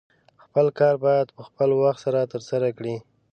خپل کار باید په خپل وخت سره ترسره کړې